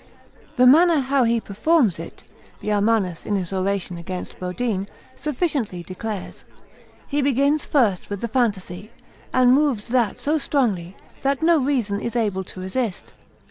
The manner how he performs it, Biarmannus in his Oration against Bodine, sufficiently declares. He begins first with the phantasy, and moves that so strongly, that no reason is able to resist.